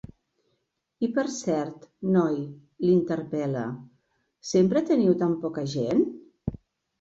I per cert, noi —l'interpel·la—, sempre teniu tan poca gent?